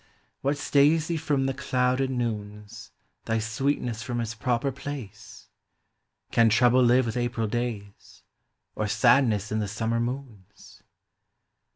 What stays thee from the clouded noons, Thy sweetness from its proper place? Can trouble live with April days, Or sadness in the summer moons?